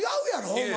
お前。